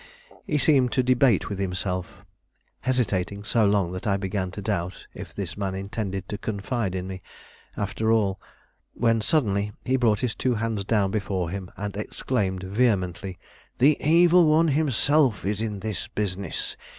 He seemed to debate with himself, hesitating so long that I began to doubt if this man intended to confide in me, after all, when suddenly he brought his two hands down before him and exclaimed vehemently: "The evil one himself is in this business!